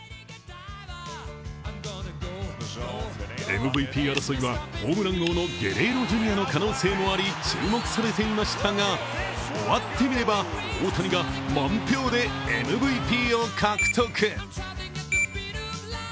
ＭＶＰ争いはホームラン王のゲレーロ・ジュニアの可能性もあり注目されていましたが、終わってみれば大谷が満票でＭＶＰを獲得。